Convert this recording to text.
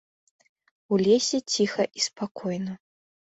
У лесе ціха і спакойна.